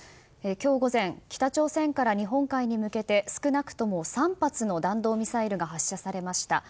今日午前、北朝鮮から日本海に向けて少なくとも３発の弾道ミサイルが発射されました。